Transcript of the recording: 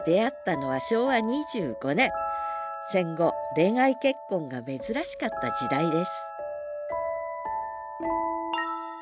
戦後恋愛結婚が珍しかった時代です